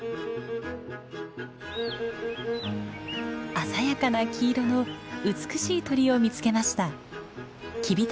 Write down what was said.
鮮やかな黄色の美しい鳥を見つけました。